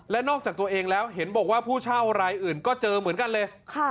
และนอกจากตัวเองแล้วเห็นบอกว่าผู้เช่ารายอื่นก็เจอเหมือนกันเลย